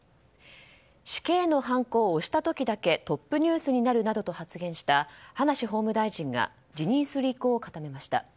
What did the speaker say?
死刑のはんこを押した時だけトップニュースになるなどと発言した葉梨法務大臣が辞任する意向を固めました。